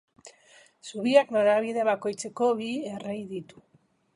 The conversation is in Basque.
Zubiak norabide bakoitzeko bi errei ditu.